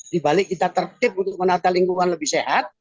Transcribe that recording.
di balik kita tertib untuk menata lingkungan lebih sehat